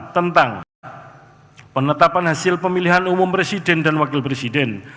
tentang penetapan hasil pemilihan umum presiden dan wakil presiden